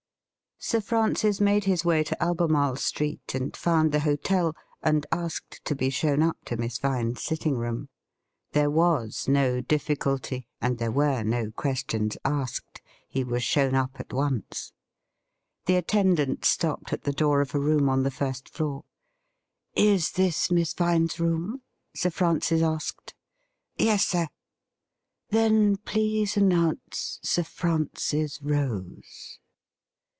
Sir Francis made his way to Albemarle Street, and found the hotel, and asked to be shown up to Miss Vine's sitting room. There was no difficulty, and there were no 212 THE RIDDLE RING questions asked ; he was shown up at once. The attendant stopped at the door of a room on the first floor. ' Is this Miss Vine's room ?'' Sir Fi'ancis asked. ' Yes, sir.' ' Then, please announce Sir Francis Rose.'